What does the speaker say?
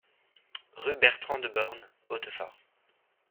Rue Bertran de Born, Hautefort